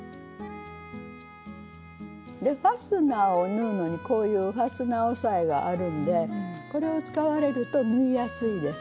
ファスナーを縫うのにこういうファスナー押さえがあるんでこれを使われると縫いやすいです。